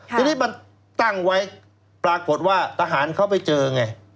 ทีนี้มันตั้งไว้ปรากฏว่าทหารเขาไปเจอไง